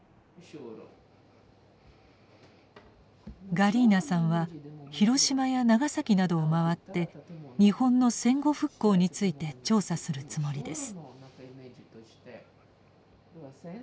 ガリーナさんは広島や長崎などを回って日本の戦後復興について調査するつもりです。